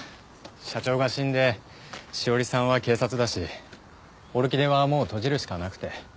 社長が死んで志桜里さんは警察だしオルキデはもう閉じるしかなくて。